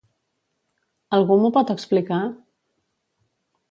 Algú m'ho pot explicar?